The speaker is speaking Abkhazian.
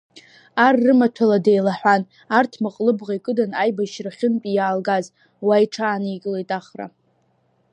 Ар рымаҭәала деилаҳәан, арҭмаҟ лыбӷа икыдын аибашьрахьынтәи иаалгаз, уа иҽааникылеит Ахра.